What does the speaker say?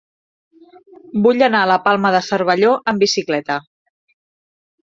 Vull anar a la Palma de Cervelló amb bicicleta.